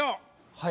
はい。